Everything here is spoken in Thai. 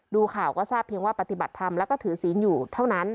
ดูข่าวก็ทราบเพียงว่าปฏิบัติธรรมแล้วก็ถือศีลอยู่เท่านั้น